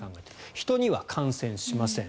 人には感染しません。